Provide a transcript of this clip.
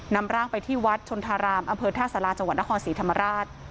นำร่างไปที่วัดชนทรามอเผิดท่าสลาจังหวัดนครสีธรรมราช